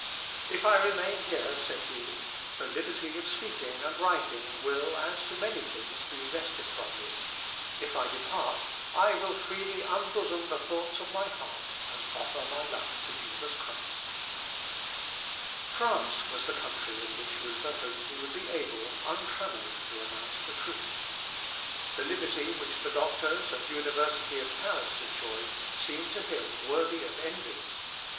"If I remain here," said he, "the liberty of speaking and writing will, as to many things, be wrested from me. If I depart, I will freely unbosom the thoughts of my heart, and offer my life to Jesus Christ." "Si icro totum effundam et vitam offeram Christo." (Luth. Ep. i, p. 190.) France was the country in which Luther hoped he would be able, untramelled, to announce the truth. The liberty which the doctors and university of Paris enjoyed seemed to him worthy of envy.